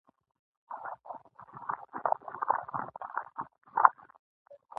دای دا سندره هر مازدیګر اورېده.